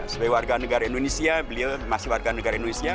sebagai warga negara indonesia beliau masih warga negara indonesia